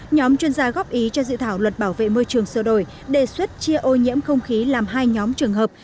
nhóm chuyên gia góp ý cho dự thảo luật bảo vệ môi trường sơ đổi đề xuất chia ô nhiễm không khí làm hai nhóm trường hợp